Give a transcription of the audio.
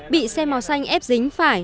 bị xe màu xanh ép dính phải